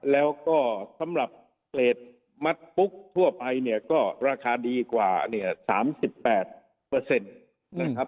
แล้วก็สำหรับเกรดมัดปุ๊กทั่วไปเนี่ยก็ราคาดีกว่าเนี่ยสามสิบแปดเปอร์เซ็นต์นะครับ